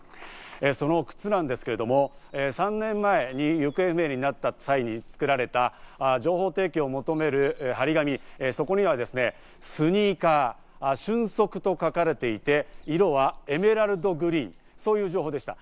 その靴なんですけれども、３年前に行方不明になった際に、情報提供を求める貼り紙、そこにはスニーカーは「瞬足」と書かれていて、色はエメラルドグリーン、そういう情報でした。